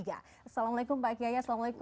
assalamualaikum pak kiai